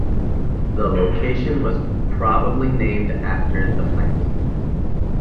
The location was probably named after the plant.